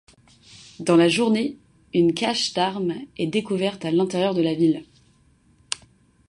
Dans la journée, une cache d'armes est découverte à l'intérieur de la ville.